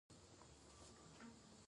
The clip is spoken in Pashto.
افغانستان کې د جلګه په اړه زده کړه کېږي.